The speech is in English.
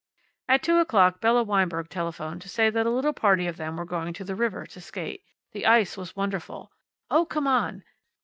At two o'clock Bella Weinberg telephoned to say that a little party of them were going to the river to skate. The ice was wonderful. Oh, come on!